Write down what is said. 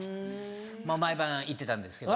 毎晩行ってたんですけど。